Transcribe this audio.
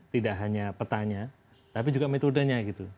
tidak hanya petanya tapi juga metodenya gitu